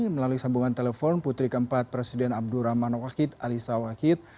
melalui sambungan telepon putri keempat presiden abdurrahman wahid alisa wahid